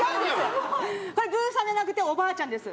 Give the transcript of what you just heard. これブーさんじゃなくておばあちゃんです。